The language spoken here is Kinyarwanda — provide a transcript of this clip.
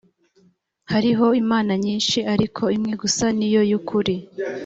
hariho imana nyinshi ariko imwe gusa ni yo y ukuri